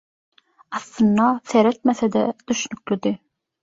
Aslynda seretmese-de düşnüklidi.